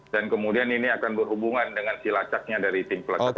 dan kemudian ini akan berhubungan dengan silacaknya dari tim pelacakan kontak